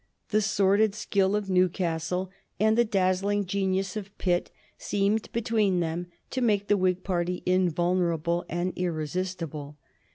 The sordid skill of Newcastle and the dazzling genius of Pitt seemed between them to make the Whig party invulnerable and irresistible.